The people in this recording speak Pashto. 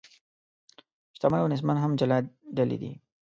شتمن او نیستمن هم جلا ډلې دي.